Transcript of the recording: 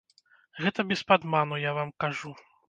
Гэта без падману я вам кажу.